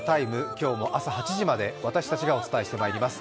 今日も朝８時まで私たちがお伝えしてまいります。